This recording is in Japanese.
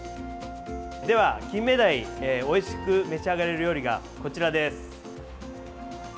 では、キンメダイおいしく召し上がれる料理がこちらです。